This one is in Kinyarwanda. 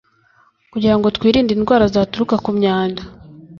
kugira ngo twirinde indwara zaturuka ku myanda